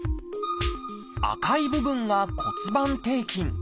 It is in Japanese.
赤い部分が骨盤底筋。